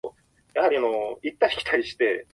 溜まり場となっている路地裏に着いた。